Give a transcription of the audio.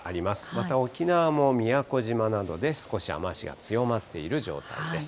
また沖縄も宮古島などで、少し雨足が強まっている状況です。